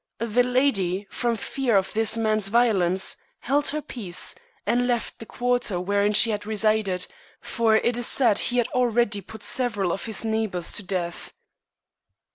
"The lady, from fear of this man's violence, held her peace, and left the quarter wherein she had resided, for it is said he had already put several of his neighbors to death."